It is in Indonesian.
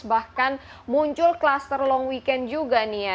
bahkan muncul klaster long weekend juga nih ya